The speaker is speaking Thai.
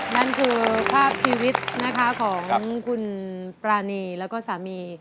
นั่นคือภาพชีวิตนะคะของคุณปรานีแล้วก็สามี